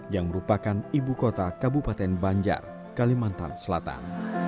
yang merupakan ibu kota kabupaten banjar kalimantan selatan